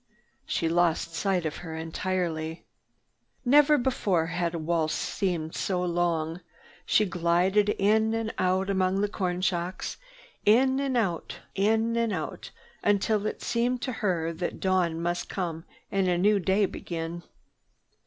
She lost sight of her entirely. Never before had a waltz seemed so long. She glided in and out among the corn shocks, in and out, in and out, until it seemed to her that dawn must come and a new day begin.